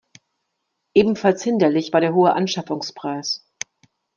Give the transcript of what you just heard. Ebenfalls hinderlich war der hohe Anschaffungspreis.